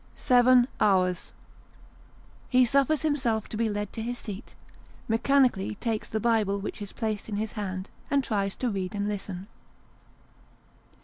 Seven hours ! He suffers himself io be led to his seat, mechanically takes the bible which is placed in his hand, and tries to read and listen.